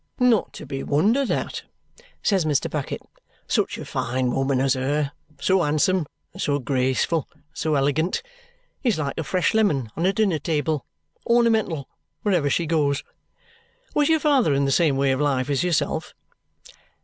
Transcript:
"Not to be wondered at!" says Mr. Bucket. "Such a fine woman as her, so handsome and so graceful and so elegant, is like a fresh lemon on a dinner table, ornamental wherever she goes. Was your father in the same way of life as yourself?"